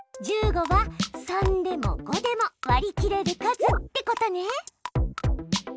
１５は３でも５でも割り切れる数ってことね！